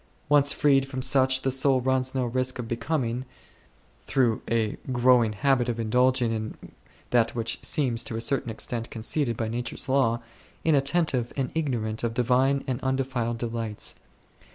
Once freed from such, the soul runs no risk of becoming, through a growing habit of indulging in that which seems to a certain extent conceded by nature's law, in attentive and ignorant of Divine and undefiled delights.